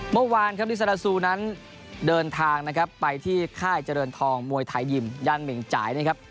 เมื่อวานครับลิซาราซูนั้นเดินทางนะครับไปที่ค่ายเจริญทองมวยไทยยิมย่านเหม่งจ่ายนะครับ